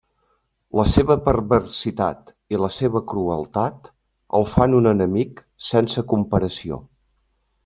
La seva perversitat i la seva crueltat el fan un enemic sense comparació.